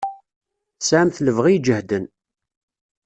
Tesɛamt lebɣi ijehden.